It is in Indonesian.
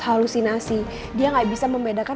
halusinasi dia nggak bisa membedakan